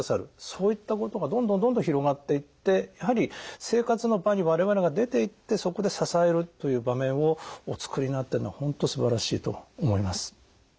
そういったことがどんどんどんどん広がっていってやはり生活の場に我々が出ていってそこで支えるという場面をおつくりになっているのは本当すばらしいと思います。